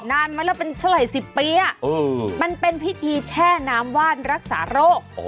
นานมาแล้วเป็นสลายสิบปีอ่ะเออมันเป็นพิธีแช่น้ำว่านรักษารก